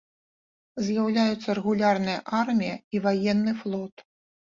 З'яўляюцца рэгулярная армія і ваенны флот.